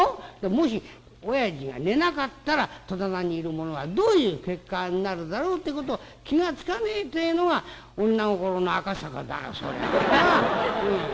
もしおやじが寝なかったら戸棚にいる者はどういう結果になるだろうってことを気が付かねえってえのが女心の赤坂だそれは。なっ」。